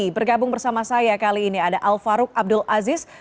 bergabung bersama saya kali ini ada alvarok abdul aziz